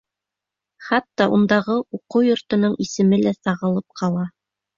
Хатта ундағы уҡыу йортоноң исеме лә сағылып ҡала.